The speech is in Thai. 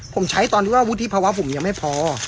ผมใช้ตอนที่ว่าวุฒิภาวะผมยังไม่พอ